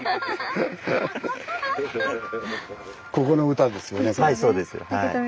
ここの歌ですよねこれ。